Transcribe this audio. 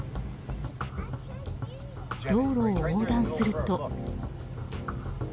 道路を横断すると。